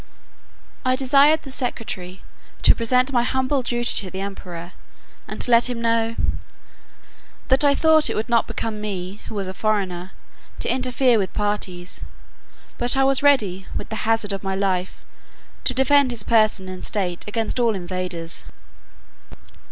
I desired the secretary to present my humble duty to the emperor; and to let him know, "that I thought it would not become me, who was a foreigner, to interfere with parties; but I was ready, with the hazard of my life, to defend his person and state against all invaders."